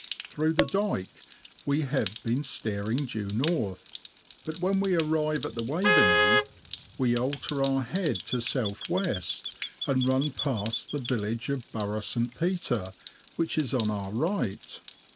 Through the dyke we have been steering due north ; but when we arrive at the Waveney we alter our head to south west, and run past the village of Burgh St. Peter, which is on our right.